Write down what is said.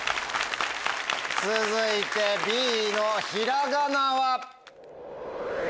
続いてＢの「ひらがな」は。